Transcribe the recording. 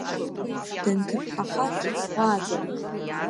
Данҭыԥҳаха ҿыц лааӡара.